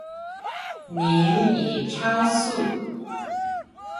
您已超速